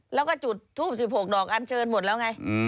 แล้วก็จุดทูป๑๖ดอกอันเชิญหมดแล้วไง